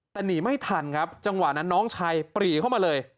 แต่หนีไม่ทันครับจังหวะนั้นน้องชายปรีเข้ามาเลย